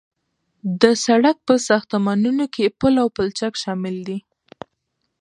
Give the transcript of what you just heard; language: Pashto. د سرک په ساختمانونو کې پل او پلچک شامل دي